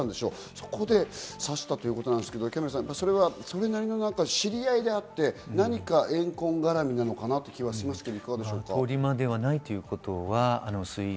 そこで刺したということですが、キャンベルさん、それなりの知り合いであって、何か怨恨絡みなのかなという気がしますけど。